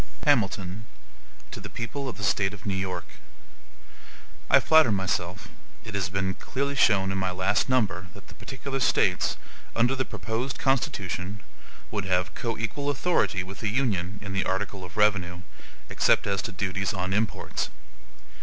HAMILTON To the People of the State of New York: I FLATTER myself it has been clearly shown in my last number that the particular States, under the proposed Constitution, would have COEQUAL authority with the Union in the article of revenue, except as to duties on imports.